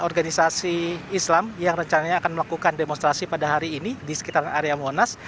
organisasi islam yang rencananya akan melakukan demonstrasi pada hari ini di sekitar area monas